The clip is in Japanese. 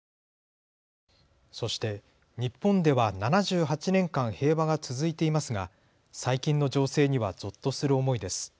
そして日本では７８年間、平和が続いていますが最近の情勢にはぞっとする思いです。